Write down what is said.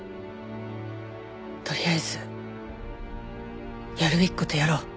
とりあえずやるべき事をやろう。